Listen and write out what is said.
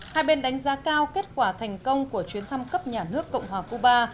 một mươi bốn hai bên đánh giá cao kết quả thành công của chuyến thăm cấp nhà nước cộng hòa cuba